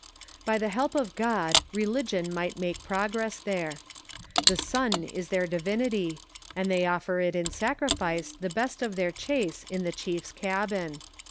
By the help of God, religion might make progress there. The son is their divinity, and they offer it in sacrifice the best of their chase in the chief's cabin.